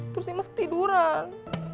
terus imas ketiduran